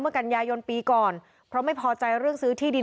กันยายนปีก่อนเพราะไม่พอใจเรื่องซื้อที่ดิน